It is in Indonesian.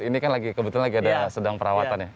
ini kan lagi kebetulan lagi ada sedang perawatannya